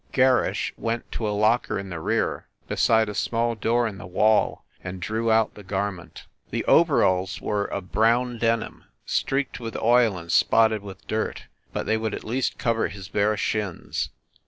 Gerrisn went to a locker in the rear, beside a small door in the wall, and drew out the garment. The overalls were of brown denim, streaked with oil and spotted with dirt, but they would at least cover his bare shins.